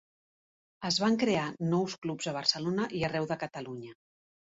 Es van crear nous clubs a Barcelona i arreu de Catalunya.